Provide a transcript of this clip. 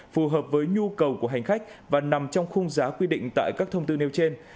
phù hợp với nhu cầu của hành khách và nằm trong khung giá quy định tại các thông tư nêu trên